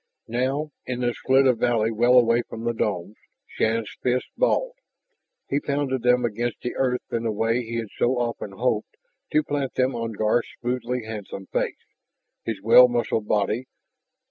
Now, in this slit of valley well away from the domes, Shann's fists balled. He pounded them against the earth in a way he had so often hoped to plant them on Garth's smoothly handsome face, his well muscled body.